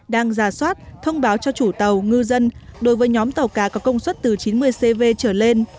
đang giả soát thông báo cho chủ tàu ngư dân đối với nhóm tàu cá có công suất từ chín mươi cv trở lên